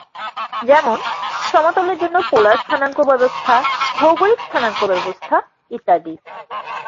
যেমন: সমতলের জন্য পোলার স্থানাঙ্ক ব্যবস্থা, ভৌগোলিক স্থানাঙ্ক ব্যবস্থা ইত্যাদি।